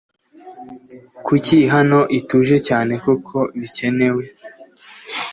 Kuki hano ituje cyane kuko bikenewe